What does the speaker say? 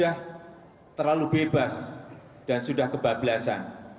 mengambil bentuk nyata